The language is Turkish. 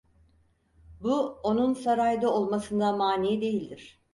Bu, onun sarayda olmasına mani değildir.